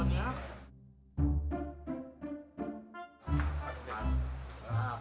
ini tanya nya diskonnya